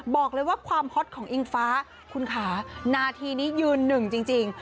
บอกเลยว่าความฮอตของอิงฟ้าคุณค่ะนาทีนี้ยืนหนึ่งจริง